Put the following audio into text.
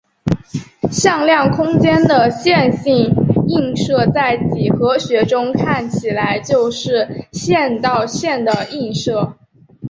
向量空间的线性映射在几何学中看起来就是线到线的映射。